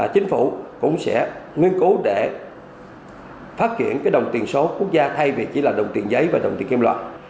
chính phủ cũng sẽ nghiên cứu để phát triển đồng tiền số quốc gia thay vì chỉ là đồng tiền giấy và đồng tiền kim loại